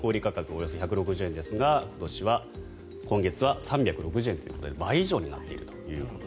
およそ１６０円ですが今年は、今月は３６０円ということで倍以上になっていると。